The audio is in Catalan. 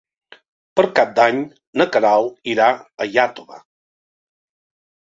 Per Cap d'Any na Queralt irà a Iàtova.